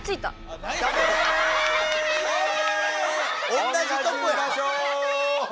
おんなじとこや！